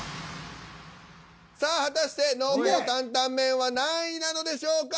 さあ果たして濃厚担々麺は何位なのでしょうか。